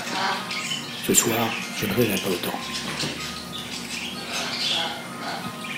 Ce soir je ne rirai pas autant.